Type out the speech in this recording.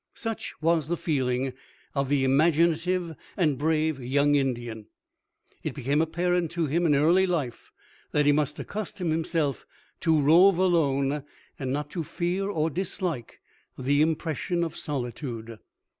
Such was the feeling of the imaginative and brave young Indian. It became apparent to him in early life that he must accustom himself to rove alone and not to fear or dislike the impression of solitude.